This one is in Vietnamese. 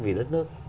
vì đất nước